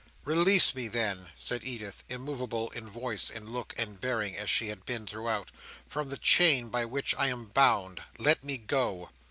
"Release me, then," said Edith, immoveable in voice, in look, and bearing, as she had been throughout, "from the chain by which I am bound. Let me go."